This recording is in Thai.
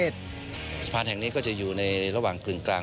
สะพานแห่งนี้ก็จะอยู่ในระหว่างกึ่งกลาง